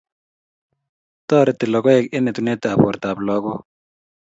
Toreti logoek eng etunet ab bortap lagok